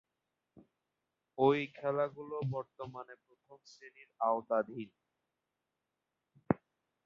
ঐ খেলাগুলো বর্তমানে প্রথম-শ্রেণীর আওতাধীন।